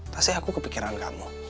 pasti aku kepikiran kamu